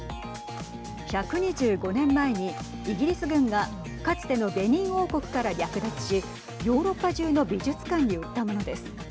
１２５年前にイギリス軍がかつてのベニン王国から略奪しヨーロッパ中の美術館に売ったものです。